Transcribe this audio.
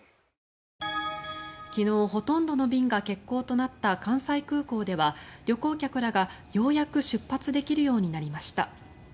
昨日ほとんどの便が欠航となった関西空港では旅行客らがようやく出発できるようになりました。